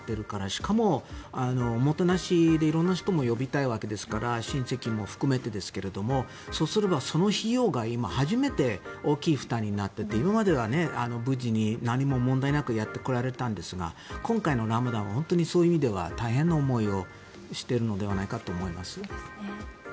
しかも、おもてなしで色んな人も呼びたいわけですから親戚も含めてですけれどもそうすればその費用が今、初めて大きい負担になっていて今までは無事に何も問題なくやってこられたんですが今回のラマダンはそういう意味では大変な思いをしているのではないかと思います。